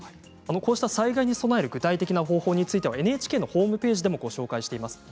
災害に備える具体的な対策はＮＨＫのホームページでもご紹介しています。